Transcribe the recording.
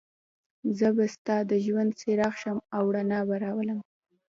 زه به ستا د ژوند څراغ شم او رڼا به راولم.